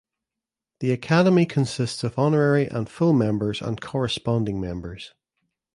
The Academy consists of honorary and full members and corresponding members.